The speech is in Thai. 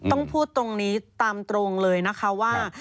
ต้องพูดตรงนี้ตามตรงเลยนะคะว่า